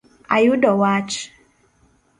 Ayudo wach